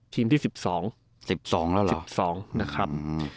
ทีมที่๑๒นะครับ